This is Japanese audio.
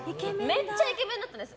めっちゃイケメンだったんです。